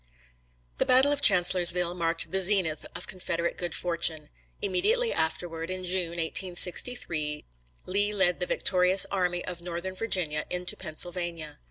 The battle of Chancellorsville marked the zenith of Confederate good fortune. Immediately afterward, in June, 1863, Lee led the victorious army of Northern Virginia into Pennsylvania.